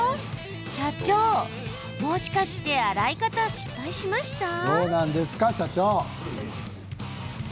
社長、もしかして洗い方失敗しました？